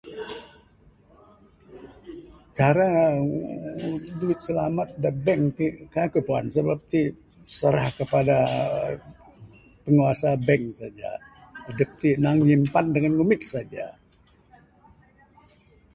Cara duit slamat da bank ti kaik ku puan sabab ti serah kepada penguasa bank saja, adep ti nang nyimpan dengan ngumit saja.